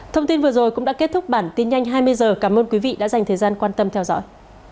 thông tin vừa rồi cũng đã kết thúc bản tin nhanh hai mươi h cảm ơn quý vị đã dành thời gian quan tâm theo dõi